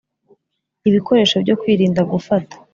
ibikoresho byo kwirinda gufata